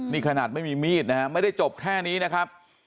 นี่ขนาดไม่มีมีดนะฮะไม่ได้จบแค่นี้นะครับ